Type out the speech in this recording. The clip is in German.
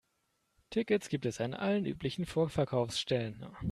Tickets gibt es an allen üblichen Vorverkaufsstellen.